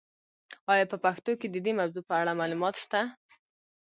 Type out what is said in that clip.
آیا په پښتو کې د دې موضوع په اړه معلومات شته؟